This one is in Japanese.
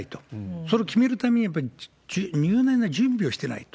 それを決めるために、やっぱり入念な準備をしてないと。